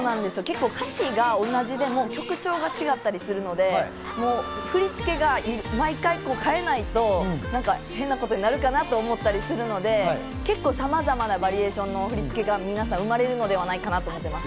歌詞が同じでも曲調が違ったりするので、振り付けを毎回変えないと変なことになるかなと思ったりするので、結構さまざまなバリエーションの振り付けが皆さん、生まれるのではないかなと思います。